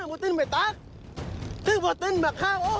เอาไว้เอาไว้ได้เหนียวแปลงให้พวกเร็วเร็ว